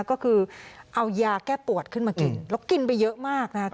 ก็คือเอายาแก้ปวดขึ้นมากินแล้วกินไปเยอะมากนะคะ